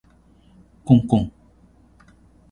こんこん